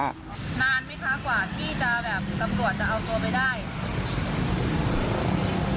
นานไหมคะกว่าที่จะแบบตำรวจจะเอาตัวไปได้